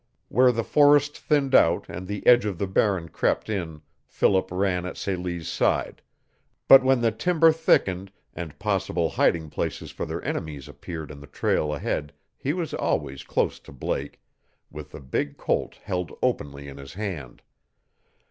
"Where the forest thinned out and the edge of the Barren crept in Philip ran at Celie's side, but when the timber thickened and possible hiding places for their enemies appeared in the trail ahead he was always close to Blake, with the big Colt held openly in his hand.